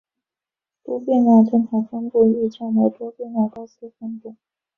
多变量正态分布亦称为多变量高斯分布。